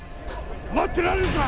待ってられるか。